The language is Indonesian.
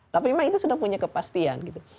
tapi memang itu sudah punya kepastian gitu